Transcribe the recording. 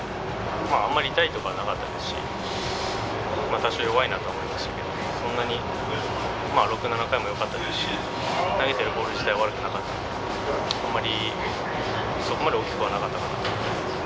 まあ、あんまり痛いとかはなかったですし、多少弱いなとは思いましたけど、そんなに、まあ６、７回もよかったですし、投げているボール自体は悪くなかったので、あまり、そこまで大きくはなかったかなと思います。